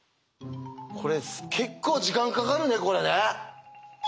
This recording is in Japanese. これ結構時間かかるねこれね。